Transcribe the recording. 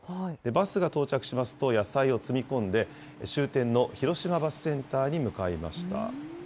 バスが到着しますと、野菜を積み込んで、終点の広島バスセンターに向かいました。